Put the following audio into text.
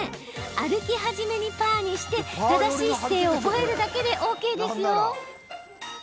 歩き始めにパーにして正しい姿勢を覚えるだけでＯＫですよ。